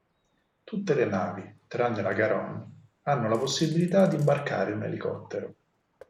Tutte le navi, tranne la "Garonne", hanno la possibilità di imbarcare un elicottero.